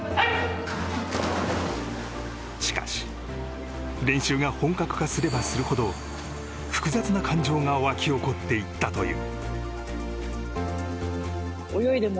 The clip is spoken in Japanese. しかし練習が本格化すればするほど複雑な感情が沸き起こっていったという。